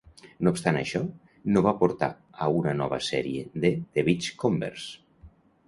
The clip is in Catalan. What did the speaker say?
No obstant això, no va portar a una nova sèrie de "The Beachcombers".